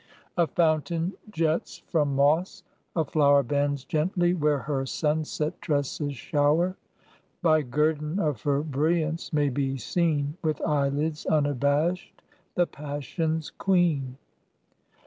A fountain jets from moss; a flower Bends gently where her sunset tresses shower. By guerdon of her brilliance may be seen With eyelids unabashed the passion's Queen.